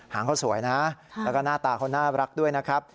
หางเขาสวยนะแล้วก็หน้าตาเขาน่ารักด้วยนะครับ